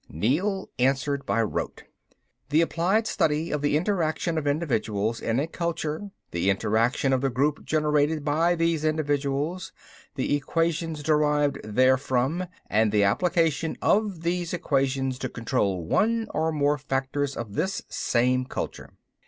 Neel answered by rote. "The applied study of the interaction of individuals in a culture, the interaction of the group generated by these individuals, the equations derived therefrom, and the application of these equations to control one or more factors of this same culture."